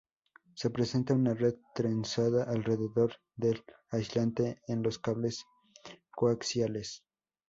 Se presenta una red trenzada alrededor del aislante en los cables coaxiales.